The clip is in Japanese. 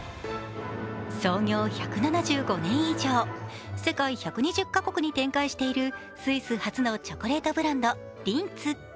創業１７５年以上、世界１２０か国に展開しているスイス発のチョコレートブランドリンツ。